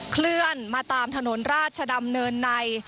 เคลื่อนมาตามถนนราชดำเนินใน